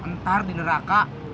ntar di neraka